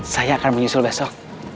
saya akan menyusul besok